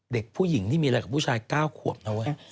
เด็กผู้หญิงที่มีอะไรกับผู้ชาย๙ขวบนะเว้ย